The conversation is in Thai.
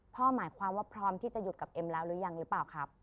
หมายความว่าพร้อมที่จะหยุดกับเอ็มแล้วหรือยังหรือเปล่าครับ